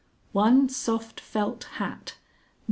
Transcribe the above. "_1 Soft Felt Hat, No.